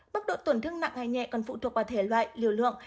mức độ tổn thương nặng hay nhẹ còn phụ thuộc vào thể loại liều lượng